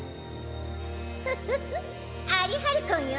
フフフアリハルコンよ。